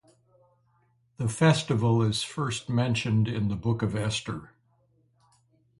The festival is first mentioned in the book of Esther.